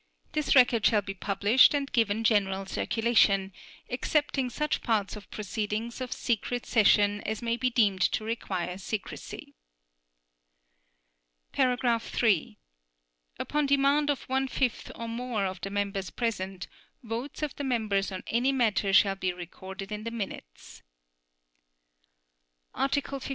This record shall be published and given general circulation, excepting such parts of proceedings of secret session as may be deemed to require secrecy. (3) Upon demand of one fifth or more of the members present, votes of the members on any matter shall be recorded in the minutes. Article 58.